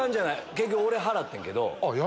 結局俺払ってんけど。